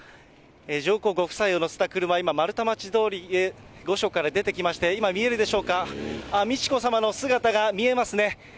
上皇ご夫妻を乗せた車、今、まるたまち通り、御所から出てきまして、今見えるでしょうか、あっ、美智子さまの姿が見えますね。